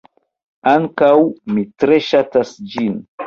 Ankaŭ mi tre ŝatas ĝin.